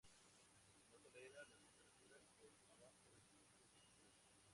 No tolera las temperaturas por abajo del punto de congelación.